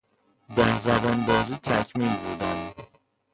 در زبان بازی تکمیل بودن